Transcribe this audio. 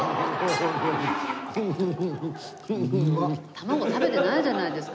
卵食べてないじゃないですか。